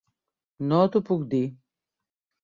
No t'ho puc dir.